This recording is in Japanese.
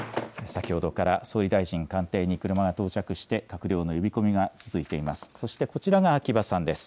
先ほどから総理大臣官邸に車が到着して、閣僚の呼び込みが続いています。